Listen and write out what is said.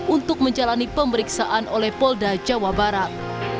untuk menjalani pemeriksaan oleh polda jawa barat